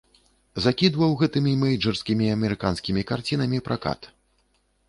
Закідваў гэтымі мэйджарскімі амерыканскімі карцінамі пракат.